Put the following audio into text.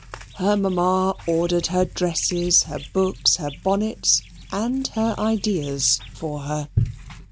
Her mamma ordered her dresses, her books, her bonnets, and her ideas for her.